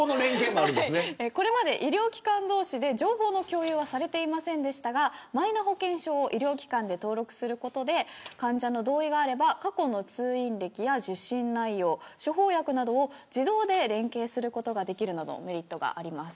これまで医療機関同士で情報の共有はされていませんでしたがマイナ保険証を医療機関で登録することで患者の同意があれば過去の通院歴や受診内容処方薬などを自動で連携することができるなどメリットがあります。